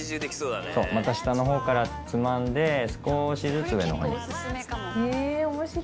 また下のほうからつまんで少しずつ上のほうに。